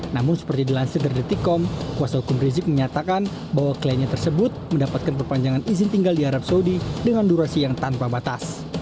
namun seperti dilansir dari tikom kuasa hukum rizik menyatakan bahwa kliennya tersebut mendapatkan perpanjangan izin tinggal di arab saudi dengan durasi yang tanpa batas